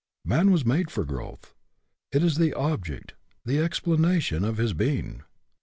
Man was made for growth. It is the object, the explanation, of his being.